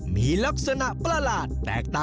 มีลักษณะประหลาด